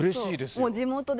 もう地元ですね。